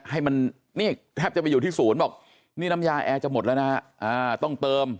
ให้มันนี่แทบจะไปอยู่ที่ศูนย์บอกนี่น้ำยาแอร์จะหมดแล้วนะฮะต้องเติม